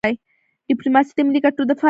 ډيپلوماسي د ملي ګټو دفاع کوي.